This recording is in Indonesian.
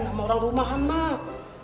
sama orang rumahan mah